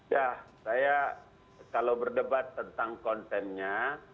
ya saya kalau berdebat tentang kontennya